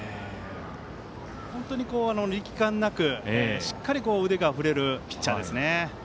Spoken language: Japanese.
本当に力感なくしっかり腕が振れるピッチャーですね。